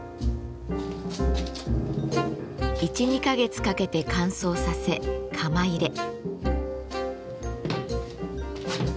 １２か月かけて乾燥させ窯入れ。